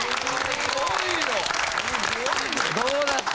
どうだった？